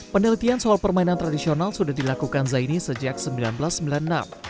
penelitian soal permainan tradisional sudah dilakukan zaini sejak seribu sembilan ratus sembilan puluh enam